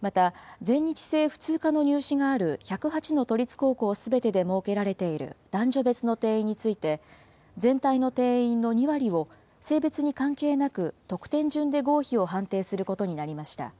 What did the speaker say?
また、全日制普通科の入試がある１０８の都立高校すべてで設けられている男女別の定員について、全体の定員の２割を、性別に関係なく得点順で合否を判定することになりました。